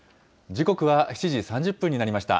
時刻は７時３０分になりました。